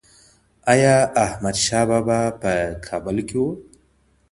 ایا احمدشاه بابا په کابل کې و؟